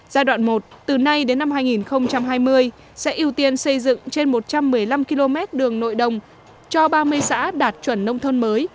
giai đoạn một từ nay đến năm hai nghìn hai mươi sẽ ưu tiên xây dựng trên một trăm một mươi năm km đường nội đồng cho ba mươi xã đạt chuẩn nông thôn mới